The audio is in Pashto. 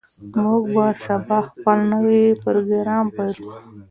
موږ به سبا خپل نوی پروګرام پیل کړو.